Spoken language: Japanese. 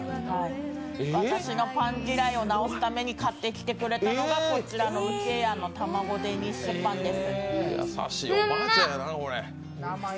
私のパン嫌いをなおすために買ってきてくれたのがこちらの烏鶏庵の卵デニッシュパンです。